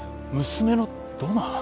娘のドナー？